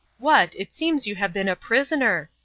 What, it seems you have been a prisoner!